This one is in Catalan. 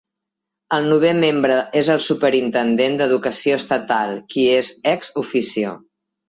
El novè membre és el Superintendent d'Educació Estatal, qui és ex-officio.